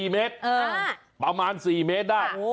๔เมตรประมาณ๔เมตรได้